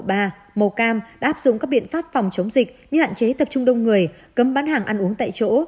màu cam đã áp dụng các biện pháp phòng chống dịch như hạn chế tập trung đông người cấm bán hàng ăn uống tại chỗ